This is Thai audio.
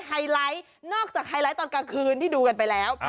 ไฮไลท์นอกจากไฮไลท์ตอนกลางคืนที่ดูกันไปแล้ว